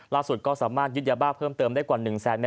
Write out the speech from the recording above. ล่าสุดก็สามารถยึดยาบ้าเพิ่มเติมได้กว่า๑เมตร